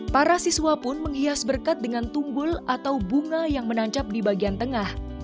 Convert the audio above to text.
para siswa pun menghias berkat dengan tunggul atau bunga yang menancap di bagian tengah